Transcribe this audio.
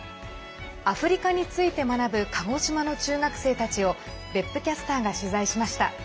アフリカについて学ぶ鹿児島の中学生たちを別府キャスターが取材しました。